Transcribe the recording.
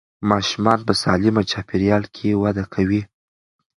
ماشومان په سالمه چاپېریال کې وده کوي.